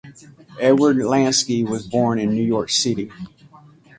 Edward Lansky was born in New York City.